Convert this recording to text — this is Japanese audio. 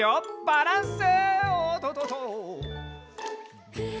バランス！